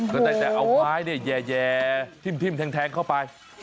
ก็ได้แต่เอาไม้แย่ทิ้มแทงเข้าไป